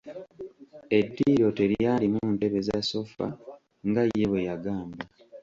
Eddiiro telyalimu ntebe za sofa nga ye bwe yagamba.